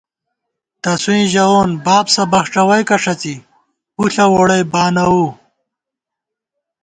تسُوئیں ژَوون بابسہ بخڄَوئیکہ ݭڅی پُݪہ ووڑَئی بانَووؤ